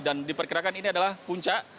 dan diperkirakan ini adalah puncak